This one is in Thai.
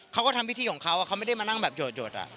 เขาก็ทำพิธีของเขาเขาไม่ได้มานั่งแบบหยด